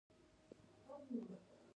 دوی به تر هغه وخته پورې نقشې رسموي.